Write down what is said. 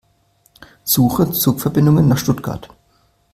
Suche Zugverbindungen nach Stuttgart.